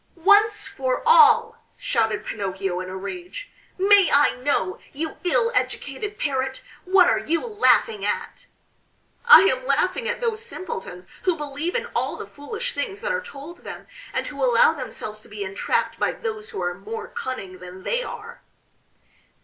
"Once for all," shouted Pinocchio in a rage, "may I know, you ill educated Parrot, what are you laughing at?" "I am laughing at those simpletons who believe in all the foolish things that are told them, and who allow themselves to be entrapped by those who are more cunning than they are."